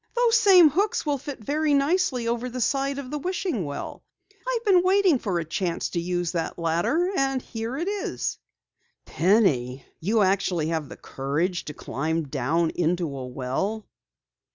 "Those same hooks will fit very nicely over the side of the wishing well. I've been waiting for a chance to use that ladder, and here it is!" "Penny! You actually have the courage to climb down into a well?"